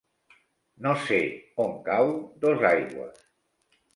No sé on cau Dosaigües.